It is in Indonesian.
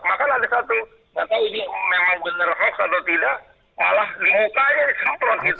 maka ada satu nggak tahu ini memang benar hoax atau tidak malah di mukanya disemprot gitu